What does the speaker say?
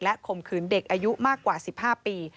ข่มขืนเด็กอายุมากกว่า๑๕ปี